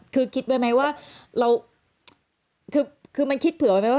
คือคิดไว้ไหมว่าเราคือมันคิดเผื่อไว้ไหมว่า